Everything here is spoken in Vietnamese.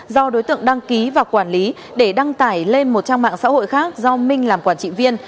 do đối tượng đăng ký và quản lý để đăng tải lên một trang mạng xã hội khác do minh làm quản trị viên